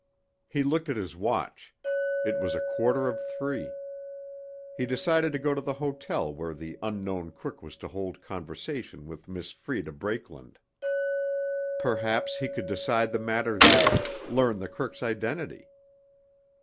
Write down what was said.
He looked at his watch; it was a quarter of three. He decided to go to the hotel where the unknown crook was to hold conversation with Miss Freda Brakeland. Perhaps he could decide the matter there, learn the crook's identity.